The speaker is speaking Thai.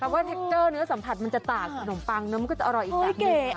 แปลก๊อดนึ๊กสัมผัสมันจะตากนมปังเนอะเค้ก็อร่อยอีกแป๊ปหนึ่ง